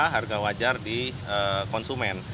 harga wajar di konsumen